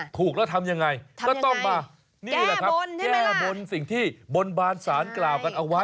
ถูกแล้วทำยังไงก็ต้องมานี่แหละครับแก้บนสิ่งที่บนบานสารกล่าวกันเอาไว้